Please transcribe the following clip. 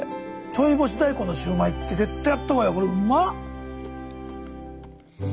ちょい干し大根のシューマイって絶対やった方がいいよ。